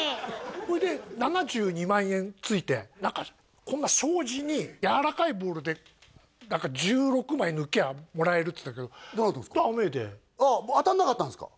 ほいで７２万円ついて何かこんな障子にやわらかいボールで何か「１６枚抜きゃもらえる」っつってたけどダメであっ当たんなかったんですか？